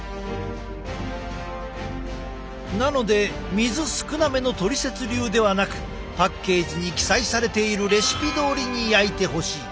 なので水少なめのトリセツ流ではなくパッケージに記載されているレシピどおりに焼いてほしい。